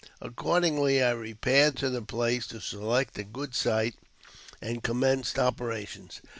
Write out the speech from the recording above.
Ac cordingly, I repaired to the place to select a good site and commence operations.